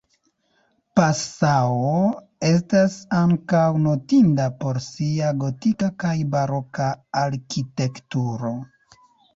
Passau estas ankaŭ notinda por sia gotika kaj baroka arkitekturo.